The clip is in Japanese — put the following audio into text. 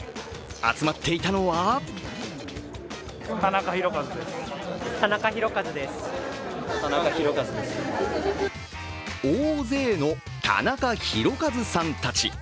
集まっていたのは大勢のタナカヒロカズさんたち。